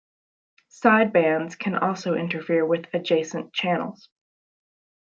Sidebands can also interfere with adjacent channels.